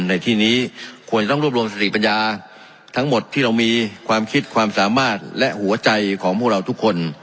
ในที่นี้ควรจะต้องรวบรวมสติปัญญาทั้งหมดที่เรามีความคิดความสามารถและหัวใจของพวกเราทุกคน